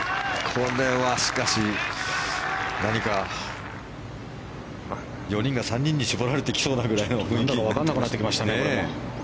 これはしかし何か４人が３人に絞られてきそうな雰囲気になってきましたね。